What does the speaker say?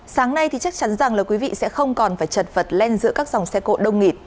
sáng nay thì chắc chắn rằng là quý vị sẽ không còn phải chật vật lên giữa các dòng xe cộ đông nghịt